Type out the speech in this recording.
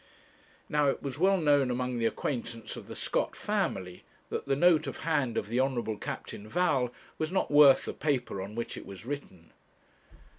Now it was well known among the acquaintance of the Scott family, that the note of hand of the Honourable Captain Val was not worth the paper on which it was written.